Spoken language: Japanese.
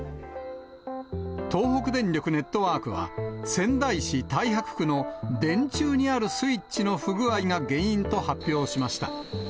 東北電力ネットワークは、仙台市太白区の電柱にあるスイッチの不具合が原因と発表しました。